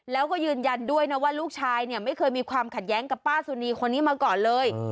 แล้วก็ยืนยันด้วยนะว่าลูกชายเนี่ยไม่เคยมีความขัดแย้งกับป้าสุนีคนนี้มาก่อนเลย